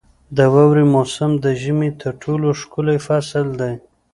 • د واورې موسم د ژمي تر ټولو ښکلی فصل دی.